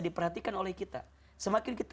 diperhatikan oleh kita semakin kita